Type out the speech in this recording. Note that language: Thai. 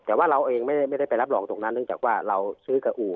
แต่ว่าเราเองไม่ได้ไปรับรองตรงนั้นเนื่องจากว่าเราซื้อกับอู่